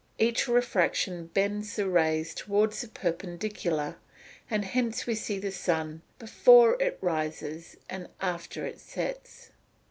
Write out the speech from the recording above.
Each refraction bends the rays towards the perpendicular; and hence we see the sun before it rises and after it sets.